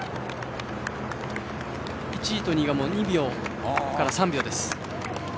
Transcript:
１位とも２秒から３秒です。